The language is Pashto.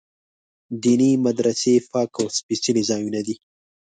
دیني مدرسې پاک او سپېڅلي ځایونه دي.